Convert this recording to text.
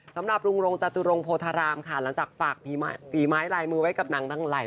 สำหรับลุงรงจตุรงโพธารามค่ะหลังจากฝากฝีไม้ลายมือไว้กับนางทั้งหลาย